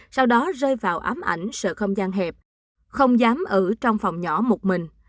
sau đó rơi vào ám ảnh sợ không gian hẹp không dám ở trong phòng nhỏ một mình